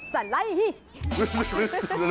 สไลด์